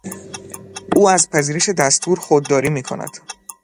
او از پذیرش دستور خودداری میکند.